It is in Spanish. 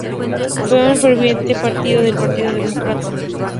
Fue un ferviente partidario del Partido Demócrata.